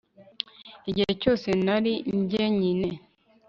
igihe cyose nari njyenyine